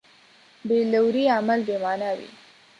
بېلوري عمل بېمانا وي.